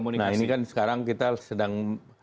nah ini kan sekarang kita sedang